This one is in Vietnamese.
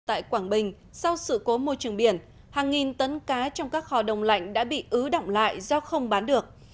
tại quảng bình sau sự cố môi trường biển hàng nghìn tấn cá trong các kho đông lạnh đã bị ứ động lại do không bán được